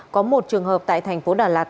có một trường hợp tại thành phố đà lạt